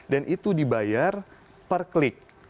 dan itu dibayar per klik